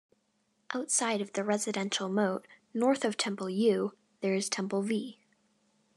Outside the residual moat, north of temple "U", there is temple "V".